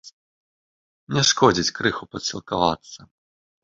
Не шкодзіць крыху падсілкавацца.